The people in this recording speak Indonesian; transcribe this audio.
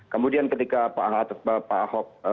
kemudian ketika pak ahok